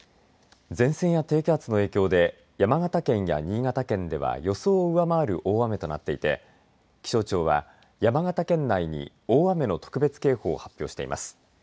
前線や低気圧の影響で山形県や新潟県では予想を上回る大雨となっていて気象庁は山形県内に大雨の特別警報を発表しています。